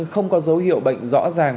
không có dấu hiệu bệnh rõ ràng